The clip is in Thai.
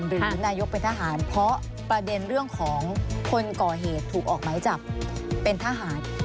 หรือนายกเป็นทหารเพราะประเด็นเรื่องของคนก่อเหตุถูกออกหมายจับเป็นทหาร